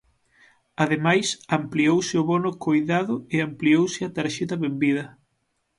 Ademais, ampliouse o bono coidado e ampliouse a tarxeta benvida.